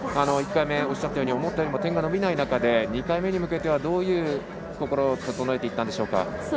１回目、おっしゃったように思ったよりも点数が伸びない中で２回目に向けては、どういう心を整えていったんでしょうか。